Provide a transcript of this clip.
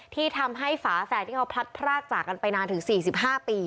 ที่ทำให้ฝาแฝดที่เขาพลัดพรากจากกันไปนานถึง๔๕ปี